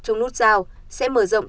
trong nút sao sẽ mở rộng